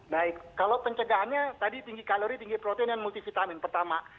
baik kalau pencegahannya tadi tinggi kalori tinggi protein dan multivitamin pertama